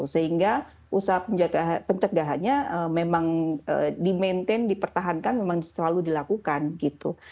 sehingga usaha pencegahannya memang di maintain dipertahankan memang selalu dilakukan gitu